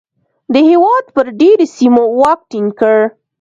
د هېواد پر ډېری سیمو واک ټینګ کړ.